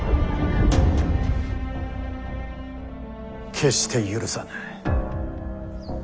決して許さぬ。